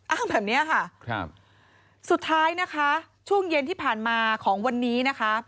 แบบเนี้ยค่ะครับสุดท้ายนะคะช่วงเย็นที่ผ่านมาของวันนี้นะคะ